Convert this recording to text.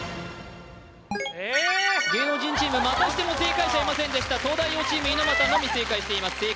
芸能人チームまたしても正解者いませんでした東大王チーム猪俣のみ正解しています